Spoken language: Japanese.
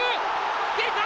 出た！